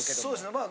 そうですね。